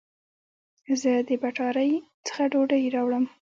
زه د بټاری څخه ډوډي راوړم